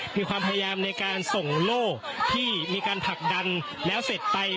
มีความพยายามในการส่งโลกที่มีการผลักดันแล้วเสร็จไป